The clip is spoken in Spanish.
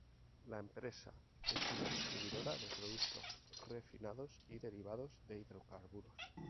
La empresa es una distribuidora de productos refinados y derivados de hidrocarburos.